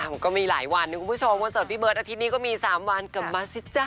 มันก็มีหลายวันนะคุณผู้ชมวันเสิร์ตพี่เบิร์ตอาทิตย์นี้ก็มี๓วันกลับมาสิจ๊ะ